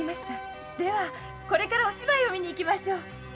ではこれからお芝居を見にゆきましょう。